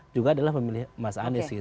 juga adalah memilih mas anies